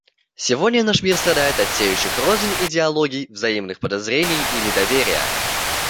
Сегодня наш мир страдает от сеющих рознь идеологий, взаимных подозрений и недоверия.